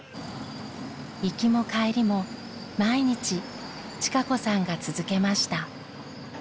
行きも帰りも毎日千香子さんが続けました。